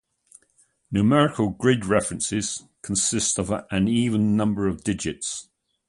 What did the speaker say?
Numerical grid references consist of an even number of digits.